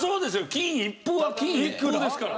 金一封は金一封ですから。